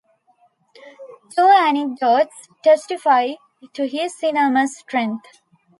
Two anecdotes testify to his enormous strength.